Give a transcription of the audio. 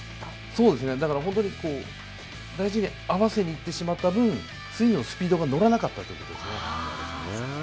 そうですね、だから本当に大事に合わせにいってしまった分スイングのスピードが乗らなかったということですね。